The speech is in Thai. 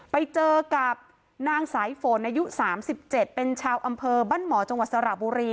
ไปเจอกับนางสายฝนอายุ๓๗เป็นชาวอำเภอบ้านหมอจังหวัดสระบุรี